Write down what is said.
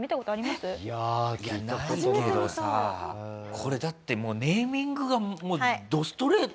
これだってネーミングがもうどストレート。